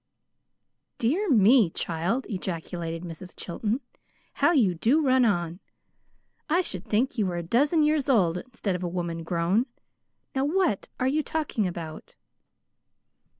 "Dear me, child," ejaculated Mrs. Chilton, "how you do run on! I should think you were a dozen years old instead of a woman grown. Now what are you talking about?"